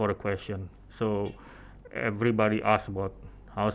semua orang bertanya tentang